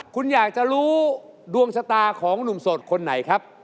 คุณอยากจะรู้ดวงชะตาของหนุ่มโสดคนไหนครับ